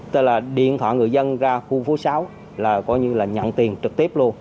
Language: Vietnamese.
tức là điện thoại người dân ra khu phố sáu là coi như là nhận tiền trực tiếp luôn